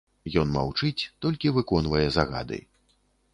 Ён маўчыць, толькі выконвае загады.